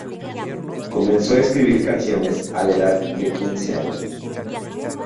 Comenzó a escribir canciones a la edad de quince años.